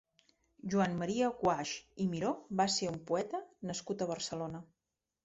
Joan Maria Guasch i Miró va ser un poeta nascut a Barcelona.